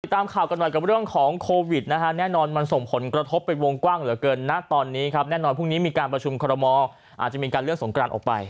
ตามข่าวกันหน่อยกับเรื่องของโควิดนะฮะแน่นอนมันส่งผลกระทบเป็นวงกว้างเหลือเกินนะตอนนี้ครับแน่นอนพรุ่งนี้มีการประชุมคอรมออาจจะมีการเลื่อนสงกรานออกไป